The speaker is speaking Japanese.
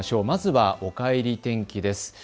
まず、おかえり天気です。